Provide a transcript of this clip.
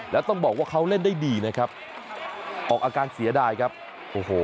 แล้วต้องบอกว่าเขาเล่นได้ดีนะครับออกอาการเสียดายครับโอ้โห